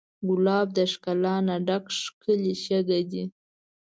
ګلاب د ښکلا نه ډک ښکلی شګه دی.